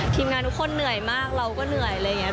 ทีมงานทุกคนเหนื่อยมากเราก็เงื่อน